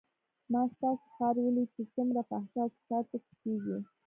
ما ستاسو ښار وليد چې څومره فحشا او فساد پکښې کېږي.